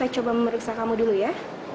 coba memeriksa kamu dulu ya